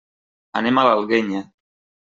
Anem a l'Alguenya.